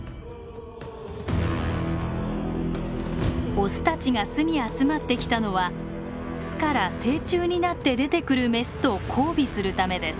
オスたちが巣に集まってきたのは巣から成虫になって出てくるメスと交尾するためです。